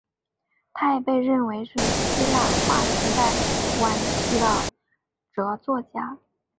他也被认为是希腊化时代晚期的着作家。